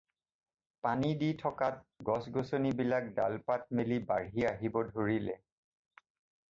পানী দি থকাত গছ গছনি বিলাক ডাল পাত মেলি বাঢ়ি আহিব ধৰিলে।